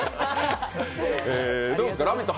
どうですか、「ラヴィット！」